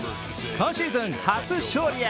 今シーズン初勝利へ。